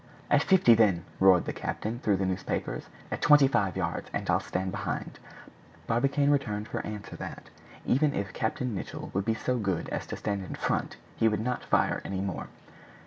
"At fifty then!" roared the captain through the newspapers. "At twenty five yards! and I'll stand behind!" Barbicane returned for answer that, even if Captain Nicholl would be so good as to stand in front, he would not fire any more.